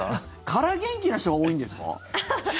空元気の人が多いんですか？